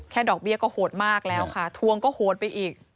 ดอกเบี้ยก็โหดมากแล้วค่ะทวงก็โหดไปอีก